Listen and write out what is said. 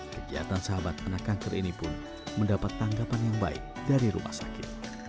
kegiatan sahabat anak kanker ini pun mendapat tanggapan yang baik dari rumah sakit